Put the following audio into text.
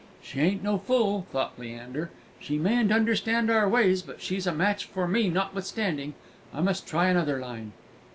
"She ain't no fool!" thought Leander; "she mayn't understand our ways, but she's a match for me notwithstanding. I must try another line."